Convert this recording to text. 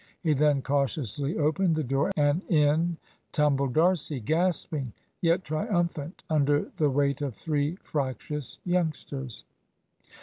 He then cautiously opened the door, and in tumbled D'Arcy, gasping, yet triumphant, under the weight of three fractious youngsters.